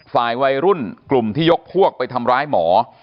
วัยรุ่นกลุ่มที่ยกพวกไปทำร้ายหมอ